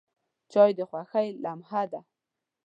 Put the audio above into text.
چای د خوښۍ لمحه ده.